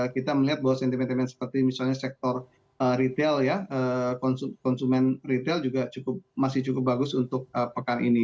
kita melihat bahwa sentimen sentimen seperti misalnya sektor retail ya konsumen retail juga masih cukup bagus untuk pekan ini